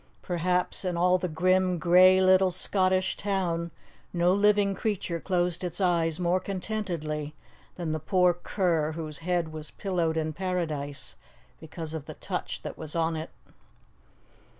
Perhaps in all the grim, grey little Scottish town, no living creature closed its eyes more contentedly than the poor cur whose head was pillowed in paradise because of the touch that was on it.